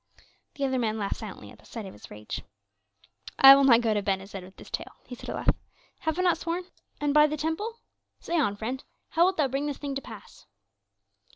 The other man laughed silently at sight of his rage. "I will not go to Ben Hesed with this tale," he said at length; "have I not sworn and by the temple? Say on, friend, how wilt thou bring this thing to pass?"